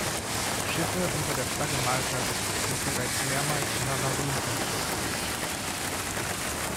Schiffe unter der Flagge Maltas sind bereits mehrmals in Havarien verwickelt gewesen.